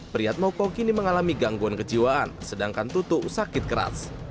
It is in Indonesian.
priyatmoko kini mengalami gangguan kejiwaan sedangkan tutu sakit keras